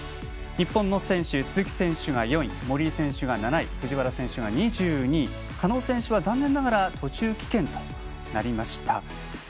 日本の選手、鈴木選手が４位森井選手が７位藤原選手が２２位狩野選手は残念ながら途中棄権となりました。